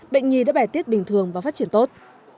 bệnh nhi đã bài tiết bình thường và phát triển tốt